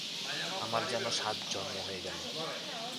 আমার যেন সাত জন্ম হয়ে গেল।